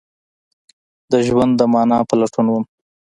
د ژوند د معنی په لټون وم